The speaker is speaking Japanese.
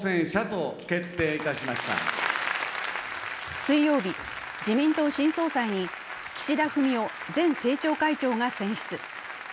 水曜日、自民党新総裁に岸田政権前政調会長が選出。